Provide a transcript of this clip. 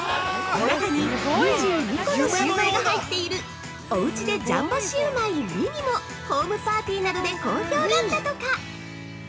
中に２２個のシウマイが入っている「おうちでジャンボシウマイｍｉｎｉ」もホームパーティなどで好評なんだとか！